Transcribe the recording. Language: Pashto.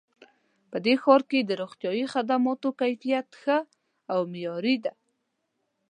په دې ښار کې د روغتیایي خدماتو کیفیت ښه او معیاري ده